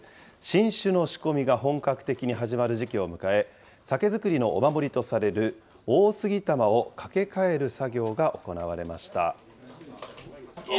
新酒の仕込みが本格的に始まる時期を迎え、酒造りのお守りとされる、大杉玉を掛け替える作業が行われました。